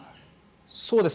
そうです。